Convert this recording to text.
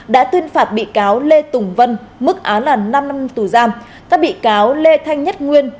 đã tuyên phạt bị cáo lê tùng vân mức án là năm năm tù giam các bị cáo lê thanh nhất nguyên